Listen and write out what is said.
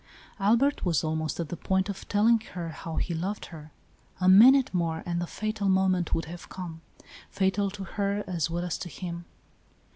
Albert was almost at the point of telling her how he loved her. A minute more and the fatal moment would have come — fatal to her as well as to him.